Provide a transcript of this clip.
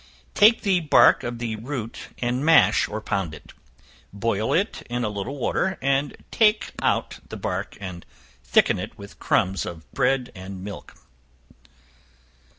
Take the bark of the root and mash, or pound it; boil it in a little water, and take out the bark, and thicken it with crumbs of bread, and milk.